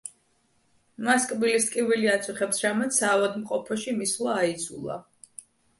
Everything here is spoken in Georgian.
მას კბილის ტკივილი აწუხებს რამაც საავადმყოფოში მისვლა აიძულა.